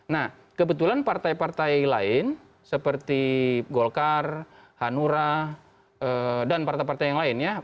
nah kebetulan partai partai lain seperti golkar hanura dan partai partai yang lain ya